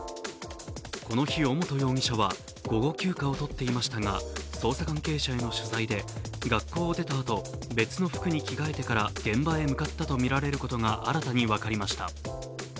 この日、尾本容疑者は午後休暇を取っていましたが、捜査関係者への取材で、学校を出たあと別の服に着替えてから現場へ向かったとみられることが新たに分かりました。